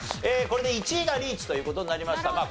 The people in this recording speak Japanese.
これで１位がリーチという事になりました。